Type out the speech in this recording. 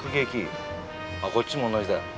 あっこっちも同じだよ。